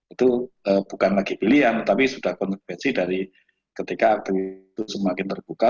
itu bukan lagi pilihan tapi sudah konsekuensi dari ketika aktivitas semakin terbuka